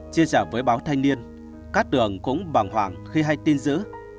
chia sẻ với báo thanh niên các tượng cũng bàng hoàng khi hay tin dữ